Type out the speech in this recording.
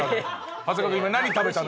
長谷川君何食べたの？